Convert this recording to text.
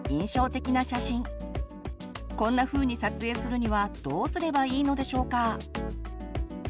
こんなふうに撮影するにはどうすればいいのでしょうか？